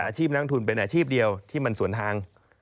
อาชีพนักทุนเป็นอาชีพเดียวที่มันสวนทาง